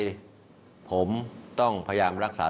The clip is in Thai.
วันนี้นั้นผมจะมาพูดคุยกับทุกท่าน